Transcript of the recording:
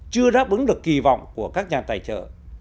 chưa đáp ứng được kỳ vọng của các nhà tài trợ